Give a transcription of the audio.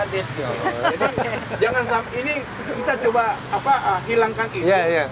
jadi jangan sampai ini kita coba apa hilangkan itu